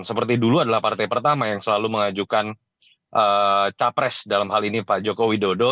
seperti dulu adalah partai pertama yang selalu mengajukan capres dalam hal ini pak joko widodo